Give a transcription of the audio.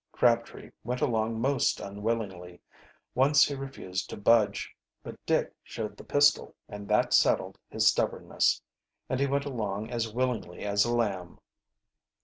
Crabtree went along most unwillingly. Once he refused to budge, but Dick showed the pistol, and that settled his stubbornness, and he went along as willingly as a lamb.